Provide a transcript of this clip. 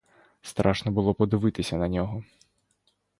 Страшно було подивитися на нього.